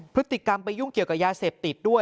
พฤติกรรมไปยุ่งเกี่ยวกับยาเสพติดด้วย